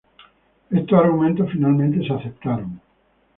Estos argumentos finalmente se aceptaron.